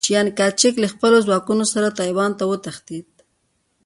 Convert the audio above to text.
چیانکایچک له خپلو ځواکونو سره ټایوان ته وتښتېد.